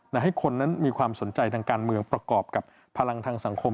และให้คนนั้นมีความสนใจทางการเมืองประกอบกับพลังทางสังคม